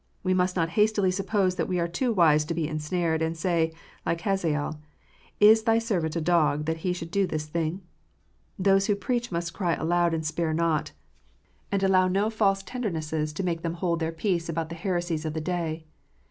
We must not hastily suppose that we are too wise to be ensnared, and say, like Hazael, " Is Thy servant a dog, that he should do this thing ?" Those who preach must cry aloud and spare not, and allow no false tenderness to make them hold IDOLATRY. 417 their peace about the heresies of the day.